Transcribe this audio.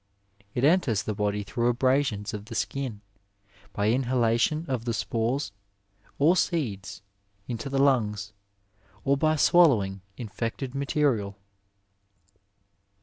It enters the body through abrasions of the skin, by inhalation of the spores, or seeds, into the lungs, or by swallowing in fected material.